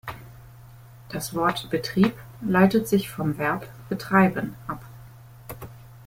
Das Wort Betrieb leitet sich vom Verb „betreiben“ ab.